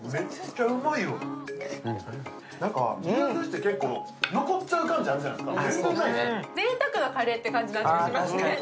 牛すじって結構残っちゃう感じがあるじゃないですか。